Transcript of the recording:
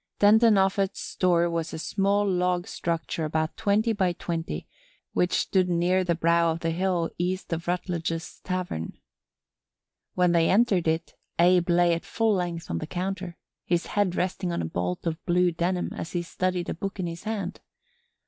Denton Offut's store was a small log structure about twenty by twenty which stood near the brow of the hill east of Rutledge's Tavern. When they entered it Abe lay at full length on the counter, his head resting on a bolt of blue denim as he studied a book in his hand.